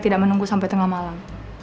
tidak menunggu sampai tengah malam